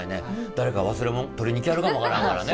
誰か忘れもん取りに来はるかも分からんからね。